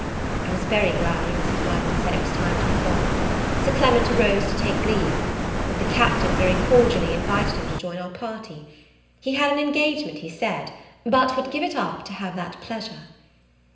I was very glad when Mrs. Mirvan said it was time to be gone. Sir Clement arose to take leave; but the Captain very cordially invited him to join our party: he had an engagement, he said, but would give it up to have that pleasure.